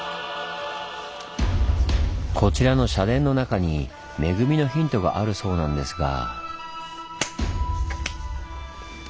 こちらの社殿の中に恵みのヒントがあるそうなんですが。